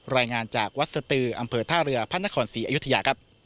รายงานจากวัดสตืออำเภอท่าเรือพระนครศรีอยุธยาครับ